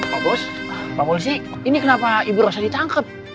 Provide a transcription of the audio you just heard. pak bos pak polisi ini kenapa ibu raja ditangkep